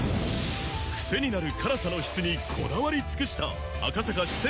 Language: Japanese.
クセになる辛さの質にこだわり尽くした赤坂四川